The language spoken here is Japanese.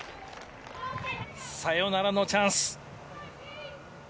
サヨナラのチャンス。